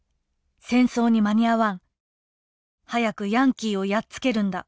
戦争にまに合わん早くヤンキーをやっつけるんだ。